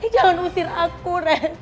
jangan usir aku ren